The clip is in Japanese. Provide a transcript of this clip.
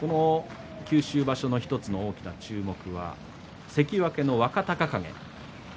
九州場所の１つの大きな注目は関脇の若隆景。